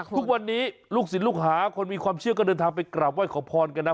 ทุกวันนี้ลูกศิลปลูกหาคนมีความเชื่อก็เดินทางไปกราบไห้ขอพรกันนะ